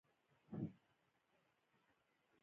میوه د تخم ساتنه کوي